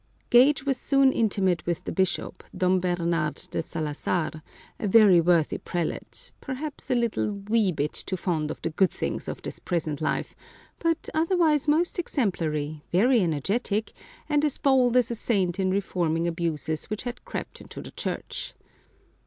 Gage was soon intimate with the bishop, Dom Bernard de Salazar, a very worthy prelate, perhaps a little wee bit too fond of the good things of this present life, but otherwise most exemplary, very energetic, and as bold as a saint in reforming abuses which had crept into the Church.